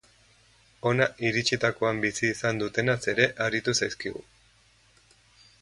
Hona iritsitakoan bizi izan dutenaz ere aritu zaizkigu.